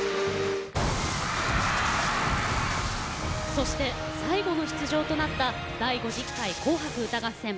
そして最後の出場となった第５０回「紅白歌合戦」。